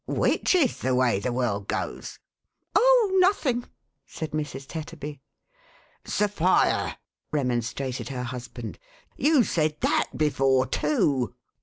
Which is the way the world goes ?" "Oh, n o thing !" said Mrs. Tetterby. " Sophia !M re monstrated her husband, "you ;! said that before, too.